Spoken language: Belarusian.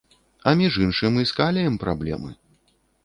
А між іншым, і з каліем праблемы.